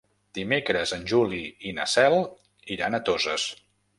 Dimecres en Juli i na Cel iran a Toses.